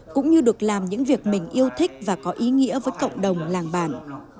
cũng như được làm những việc mình yêu thích và có ý nghĩa với cộng đồng làng bản